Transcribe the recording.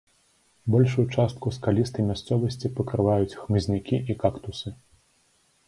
Большую частку скалістай мясцовасці пакрываюць хмызнякі і кактусы.